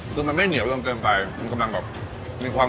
คือมันไม่เหนียวจนเกินไปมันกำลังแบบมีความ